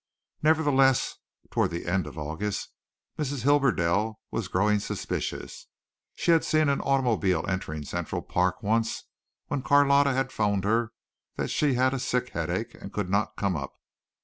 Nevertheless, toward the end of August Mrs. Hibberdell was growing suspicious. She had seen an automobile entering Central Park once when Carlotta had phoned her that she had a sick headache and could not come up.